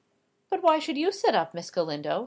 "But why should you sit up, Miss Galindo?